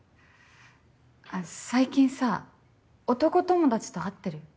最近さ男友達と会ってる？